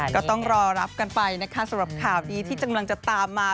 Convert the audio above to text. ก็ต้องรอรับกันไปนะคะสำหรับข่าวนี้ที่กำลังจะตามมา